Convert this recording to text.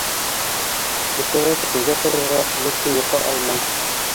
Иртәгә көтөүгә торорға, ләкин йоҡо алмай.